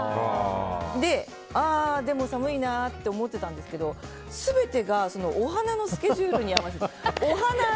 で、でも寒いなって思ってたんですけど全てがお花のスケジュールに合わせてる。